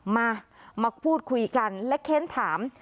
มามาพูดคุยกันและเค้นถาม